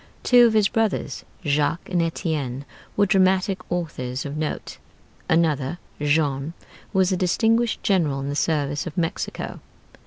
Two of his brothers, Jacques and Étienne, were dramatic authors of note. Another, Jean, was a distinguished general in the service of Mexico.